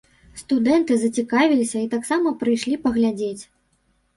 Студэнты зацікавіліся і таксама прыйшлі паглядзець.